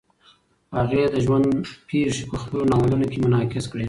هغې د ژوند پېښې په خپلو ناولونو کې منعکس کړې.